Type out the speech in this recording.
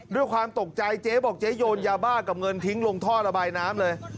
ด้วยความตกใจเจ๊บอกเจ๊โยนยาบ้ากับเงินทิ้งลงท่อระบายน้ำเลย